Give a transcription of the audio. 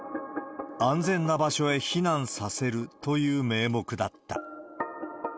安全な場所へ避難させるという名目だった。